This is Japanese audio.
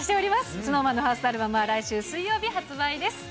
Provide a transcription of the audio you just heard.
ＳｎｏｗＭａｎのファーストアルバムは来週水曜日発売です。